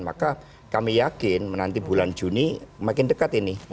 maka kami yakin nanti bulan juni makin dekat ini